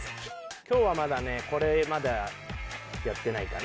今日はまだこれまだやってないかな？